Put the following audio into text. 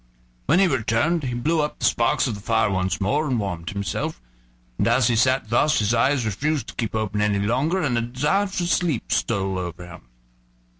When he returned he blew up the sparks of the fire once more, and warmed himself. And as he sat thus his eyes refused to keep open any longer, and a desire to sleep stole over him.